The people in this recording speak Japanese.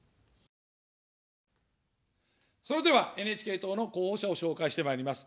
それではＮＨＫ党の候補者を紹介してまいります。